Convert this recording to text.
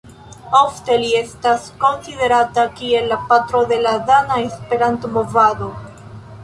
Ofte li estas konsiderata kiel "la patro de la dana Esperanto-movado".